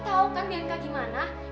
lo tau kan bianca gimana